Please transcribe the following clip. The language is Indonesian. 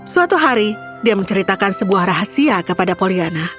suatu hari dia menceritakan sebuah rahasia kepada poliana